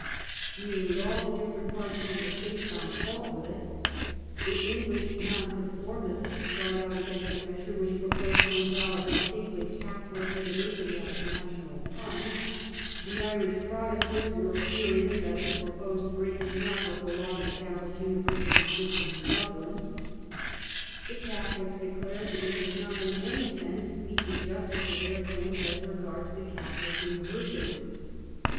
Nearly all the different parties in the State found fault with it. The English Nonconformists cried out against the measure \yhich proposed to endow a distinctly Catholic university out of national funds. The Irish Protestants were furious at the proposed THE IRISH UNIVERSITY QUESTION 289 breaking up of the long established university sys tem in Dublin. The Catholics declared that it did not in any sense meet the justice of their claims as regards the Catholic university.